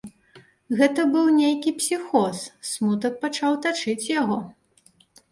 Гэта быў нейкі псіхоз, смутак пачаў тачыць яго.